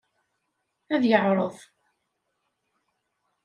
Ad yeɛreḍ.